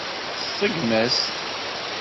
Tseggem-as-t.